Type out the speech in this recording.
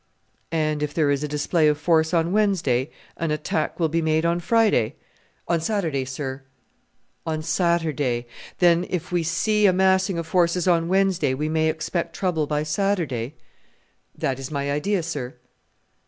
"And if there is a display of force on Wednesday, an attack will be made on Friday?" "On Saturday, sir." "On Saturday; then if we see a massing of forces on Wednesday we may expect trouble by Saturday?" "That is my idea, sir."